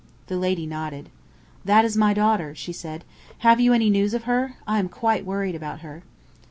The lady nodded. "That is my daughter," she said. "Have you any news of her? I am quite worried about her."